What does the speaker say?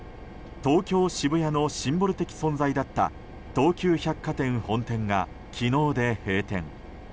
東京・渋谷のシンボル的存在だった東急百貨店本店が、昨日で閉店。